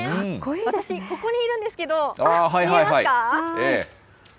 私、ここにいるんですけど、見えますか。